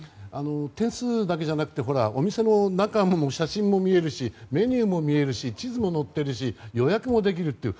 点数だけじゃなくてお店の中の写真も見えるしメニューも見えるし地図も載ってるし予約もできるという。